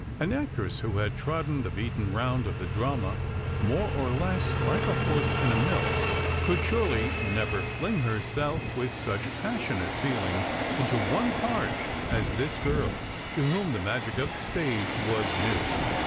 An actress who had trodden the beaten round of the drama, more or less like a horse in a mill, could surely never fling her self with such passionate feeling into one part as this girl, to whom the magic of the stage was new.